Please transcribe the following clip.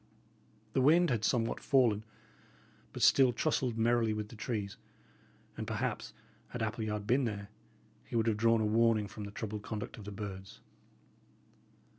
The wind had somewhat fallen, but still tussled merrily with the trees, and, perhaps, had Appleyard been there, he would have drawn a warning from the troubled conduct of the birds.